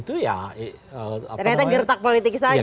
ternyata gertak politik saja